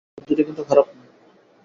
বুদ্ধিটা কিন্তু খারাপ না।